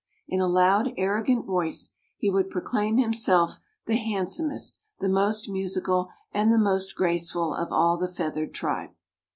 In a loud, arrogant voice he would proclaim himself the handsomest, the most musical and the most graceful of all the feathered tribe.